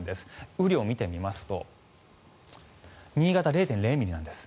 雨量を見てみると新潟、０．０ミリなんです。